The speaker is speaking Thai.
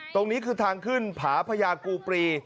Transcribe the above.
ตรงนี้คือทางขึ้นผาพญากูปรี